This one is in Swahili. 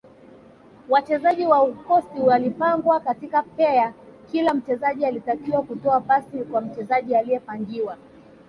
Wachezaji wa Uskoti walipangwa katika pea kila mchezaji alitakiwa kutoa pasi kwa mchezaji aliyepangiwa